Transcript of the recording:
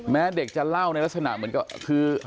แม้เด็กจะเล่าในลักษณะเหมือนกับคือ